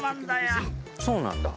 そうなんだ？